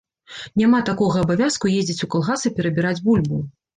Няма такога абавязку ездзіць ў калгас і перабіраць бульбу.